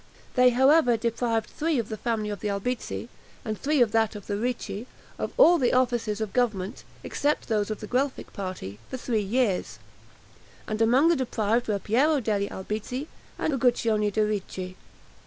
They, however, deprived three of the family of the Albizzi, and three of that of the Ricci, of all the offices of government, except those of the Guelphic party, for three years; and among the deprived were Piero degli Albizzi and Uguccione de' Ricci.